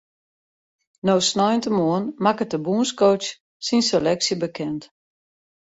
No sneintemoarn makket de bûnscoach syn seleksje bekend.